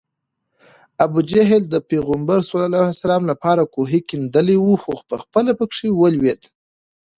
ابوجهل د پیغمبر ص لپاره کوهی کیندلی و خو پخپله پکې ولوېد